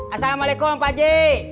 assalamualaikum pak ji